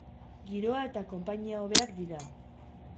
Giroa eta konpainia hobeak dira.